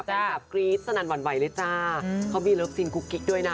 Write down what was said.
แฟนคลับกรี๊ดสนั่นหวั่นไหวเลยจ้าเขามีเลิฟซีนกุ๊กกิ๊กด้วยนะ